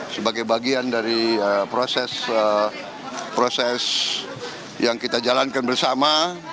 sebagai bagian dari proses yang kita jalankan bersama